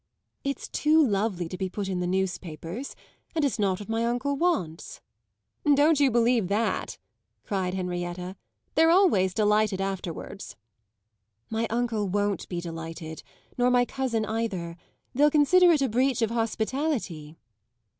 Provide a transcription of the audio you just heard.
"It's too lovely to be put in the newspapers, and it's not what my uncle wants." "Don't you believe that!" cried Henrietta. "They're always delighted afterwards." "My uncle won't be delighted nor my cousin either. They'll consider it a breach of hospitality."